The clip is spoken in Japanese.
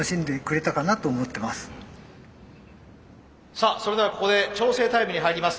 さあそれではここで調整タイムに入ります。